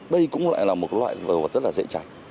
đây cũng lại là một loại đồ vật rất là dễ cháy